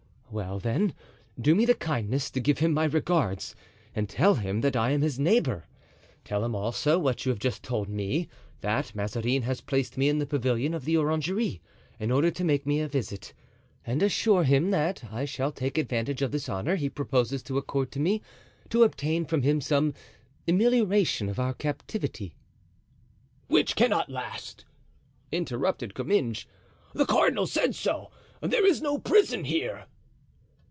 "Well, then, do me the kindness to give him my regards and tell him that I am his neighbor. Tell him also what you have just told me—that Mazarin has placed me in the pavilion of the orangery in order to make me a visit, and assure him that I shall take advantage of this honor he proposes to accord to me to obtain from him some amelioration of our captivity." "Which cannot last," interrupted Comminges; "the cardinal said so; there is no prison here."